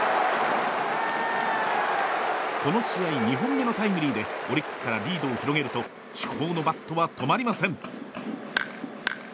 この試合２本目のタイムリーでオリックスからリードを広げると主砲のバットは止まりません。